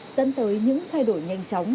dẫn tới những thay đổi nhanh chóng